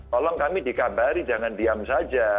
tolong kami dikabari jangan diam saja